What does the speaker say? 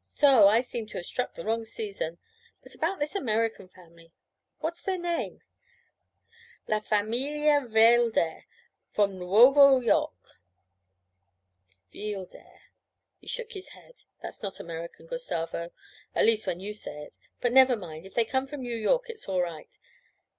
'So! I seem to have struck the wrong season. But about this American family, what's their name?' 'La familia Veeldair from Nuovo York.' 'Veeldair.' He shook his head. 'That's not American, Gustavo, at least when you say it. But never mind, if they come from New York it's all right.